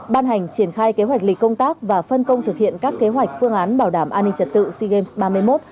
ban hành triển khai kế hoạch lịch công tác và phân công thực hiện các kế hoạch phương án bảo đảm an ninh trật tự sea games ba mươi một